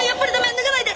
脱がないで！